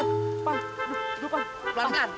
aduh aduh aduh aduh